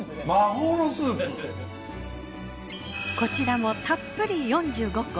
こちらもたっぷり４５個。